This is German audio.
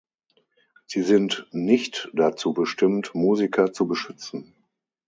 Sie sind nicht dazu bestimmt, Musiker zu beschützen.